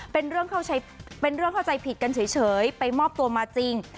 เป็นเรื่องเข้าใจผิดกันเฉยไปมอบตัวมาจริง